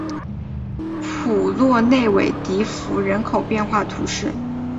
普洛内韦迪福人口变化图示